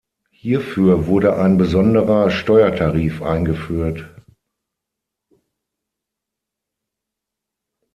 Hierfür wurde ein besonderer Steuertarif eingeführt.